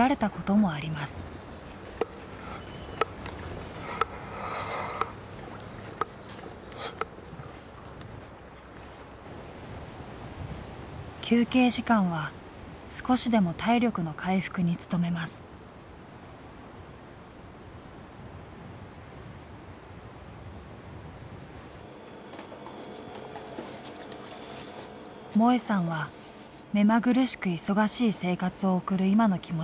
萌さんは目まぐるしく忙しい生活を送る今の気持ちを歌にしました。